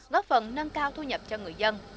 góp phần nâng cao thu nhập cho người dân